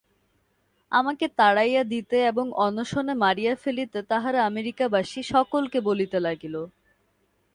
আমাকে তাড়াইয়া দিতে এবং অনশনে মারিয়া ফেলিতে তাহারা আমেরিকাবাসী সকলকে বলিতে লাগিল।